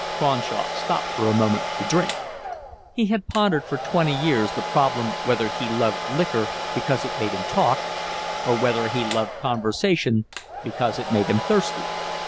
Cronshaw stopped for a moment to drink. He had pondered for twenty years the problem whether he loved liquor because it made him talk or whether he loved conversation because it made him thirsty.